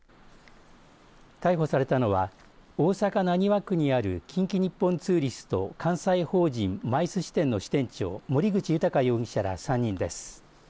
逮捕されたのは大阪浪速区にある近畿日本ツーリスト関西法人ＭＩＣＥ支店の支店長森口裕容疑者ら３人です。